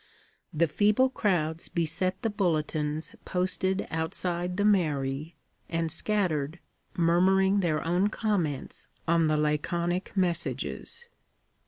The feeble crowds beset the bulletins posted outside the mairie, and scattered, murmuring their own comments on the laconic messages.